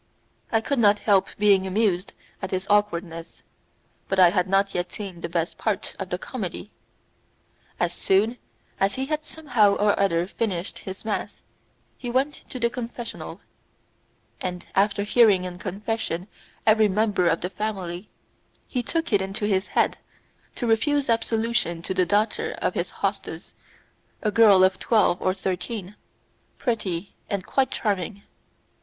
I could not help being amused at his awkwardness, but I had not yet seen the best part of the comedy. As soon as he had somehow or other finished his mass he went to the confessional, and after hearing in confession every member of the family he took it into his head to refuse absolution to the daughter of his hostess, a girl of twelve or thirteen, pretty and quite charming.